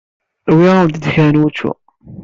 Uwiɣ-awent-id kra n wučču.